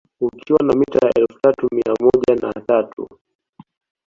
Ukiwa na mita elfu tatu mia moja na tatu